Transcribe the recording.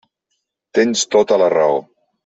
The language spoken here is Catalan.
Tens tota la raó.